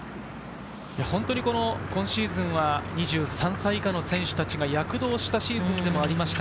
本当に今シーズンは２３歳以下の選手たちが躍動したシーズンでもありました。